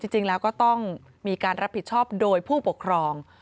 จริงแล้วก็ต้องมีการรับผิดชอบโดยผู้ปกครอง